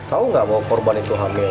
tahu nggak bahwa korban itu hamil